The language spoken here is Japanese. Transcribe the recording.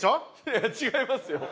いや違いますよ。